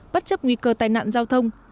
bất chấp nguy cơ tai nạn giao thông